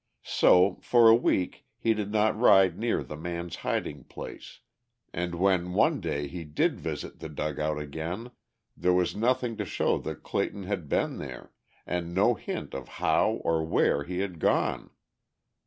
So, for a week he did not ride near the man's hiding place, and when one day he did visit the dugout again there was nothing to show that Clayton had been there and no hint of how or where he had gone.